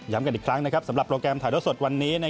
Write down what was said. กันอีกครั้งสำหรับโปรแกรมถ่ายเท่าสดวันนี้